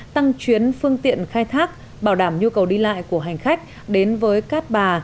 tăng chuyến phương tiện khai thác bảo đảm nhu cầu đi lại của hành khách đến với cát bà